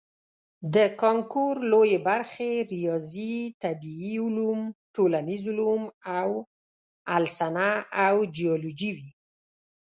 د کانکور لویې برخې ریاضي، طبیعي علوم، ټولنیز علوم او السنه او جیولوجي وي.